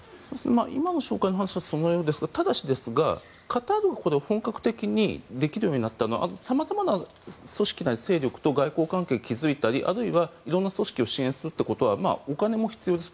今の紹介の話だとそのようですがただしですが、カタールが本格的にできるようになったのは様々な組織なり勢力と外交関係を築いたりあるいは色んな組織を支援するということはお金も必要です。